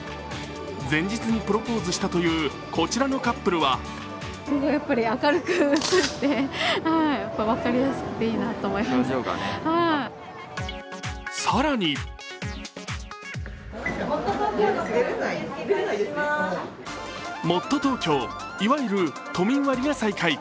前日にプロポーズしたというこちらのカップルは更にもっとＴｏｋｙｏ、いわゆる都民割が再開。